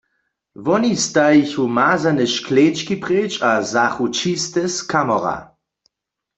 Woni stajichu mazane škleńčki preč a wzachu čiste z kamora.